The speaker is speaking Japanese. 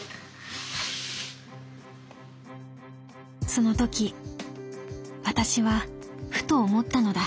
「その時私はふと思ったのだ。